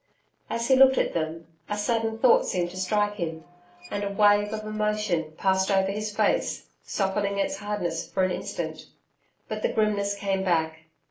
As he looked at them, a sudden thought seemed to strike him, and a wave of emotion passed over his face, softening its hardness for an instant. But the grimness came back.